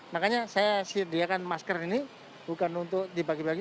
makanya saya sediakan masker ini bukan untuk dibagi bagi